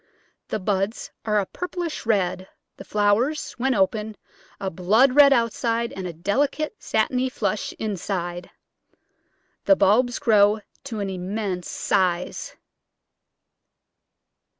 The buds are a purplish red, the flowers, when open, a blood red outside and a delicate, satiny flush inside. The bulbs grow to an immense size.